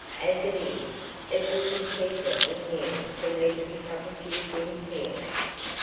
As it is, it will be cheaper in the end for me to pick up a few things here.